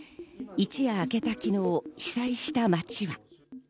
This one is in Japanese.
一夜明けた昨日、被災した町は。